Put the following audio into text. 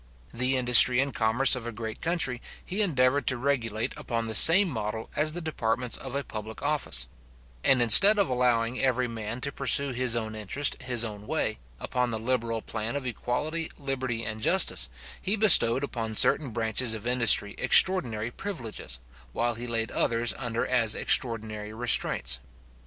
The industry and commerce of a great country, he endeavoured to regulate upon the same model as the departments of a public office; and instead of allowing every man to pursue his own interest his own way, upon the liberal plan of equality, liberty, and justice, he bestowed upon certain branches of industry extraordinary privileges, while he laid others under as extraordinary restraints.